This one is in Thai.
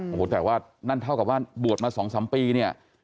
โอ้โหแต่ว่านั่นเท่ากับว่าบวชมา๒๓ปีเนี่ย